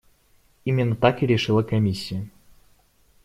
Именно так и решила комиссия.